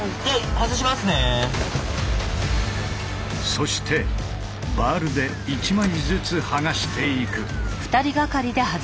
そしてバールで１枚ずつ剥がしていく。